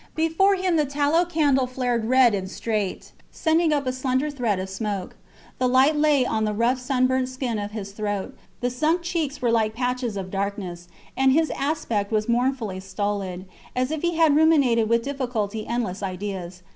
Before him the tallow candle flared red and straight, sending up a slender thread of smoke. The light lay on the rough, sunburnt skin of his throat; the sunk cheeks were like patches of darkness, and his aspect was mournfully stolid, as if he had ruminated with difficulty endless ideas.